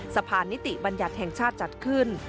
สะพานนิติบัญญัติแห่งชาติจัดขึ้น